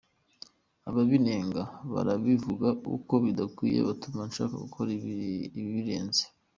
Ababinenga n’ababivuga uko bidakwiye, batuma nshaka gukora ibibirenze.